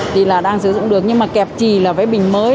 thì là đang sử dụng được nhưng mà kẹp chì là phải bình mới